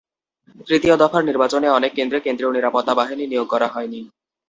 তৃতীয় দফার নির্বাচনে অনেক কেন্দ্রে কেন্দ্রীয় নিরাপত্তা বাহিনী নিয়োগ করা হয়নি।